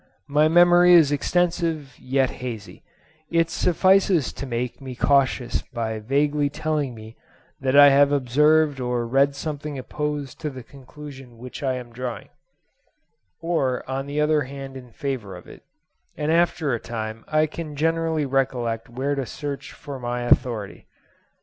My memory is extensive, yet hazy: it suffices to make me cautious by vaguely telling me that I have observed or read something opposed to the conclusion which I am drawing, or on the other hand in favour of it; and after a time I can generally recollect where to search for my authority.